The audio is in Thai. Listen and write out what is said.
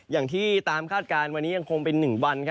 อย่างที่ตามคาดการณ์วันนี้ยังคงเป็น๑วัน